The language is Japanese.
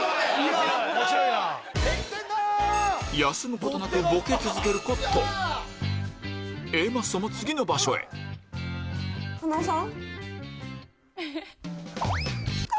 休むことなくボケ続けるコットンＡマッソも次の場所へ加納さん？